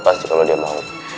pasti kalau dia mau